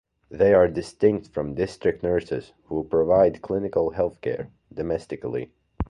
They are distinct from district nurses, who provide clinical healthcare, domestically.